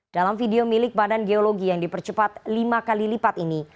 dalam video milik badan geologi yang dipercepat lima kali lipat ini